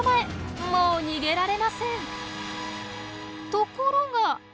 ところが。